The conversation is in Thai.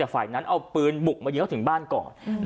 แต่ฝ่ายนั้นเอาปืนบุกมายิงเขาถึงบ้านก่อน